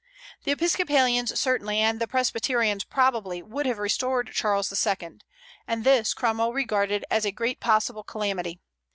The Episcopalians certainly, and the Presbyterians probably, would have restored Charles II., and this Cromwell regarded as a great possible calamity.